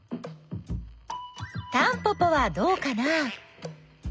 タンポポはどうかな？